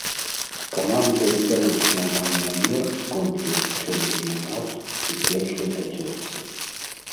Каманда відавочна мае намер скончыць чэмпіянат у першай пяцёрцы.